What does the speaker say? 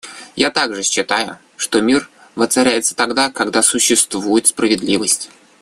Я также считаю, что мир воцаряется тогда, когда существует справедливость.